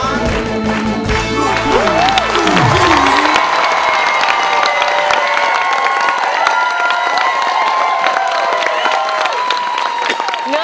ร้องได้ให้ล้าง